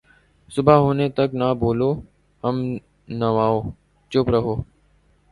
صبح ہونے تک نہ بولو ہم نواؤ ، چُپ رہو